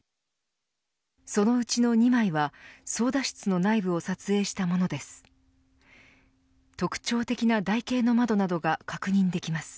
そのうちの２枚は操舵室の内部を撮影したものです。